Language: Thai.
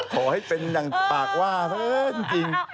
ขอให้เป็นอย่างปากว่าเถิดจริง